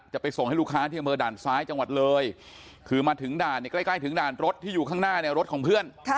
จะไปส่งให้ลูกค้าที่อำเภอด่านซ้ายจังหวัดเลยคือมาถึงด่านเนี่ยใกล้ถึงด่านรถที่อยู่ข้างหน้าเนี่ยรถของเพื่อน